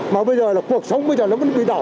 mà cuộc sống bây giờ nó vẫn bị đỏ lộn